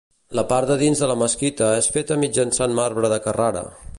La part de dins de la mesquita és feta mitjançant marbre de Carrara.